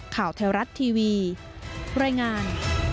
ข่าวไทยรัฐทีวีรายงาน